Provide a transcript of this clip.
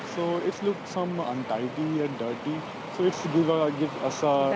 jadi ini terlihat tidak sempurna dan berat